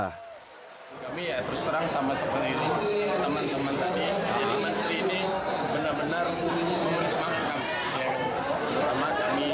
kami ya terserang sama seperti itu